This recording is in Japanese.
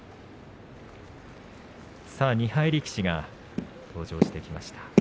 ２敗力士が登場しました。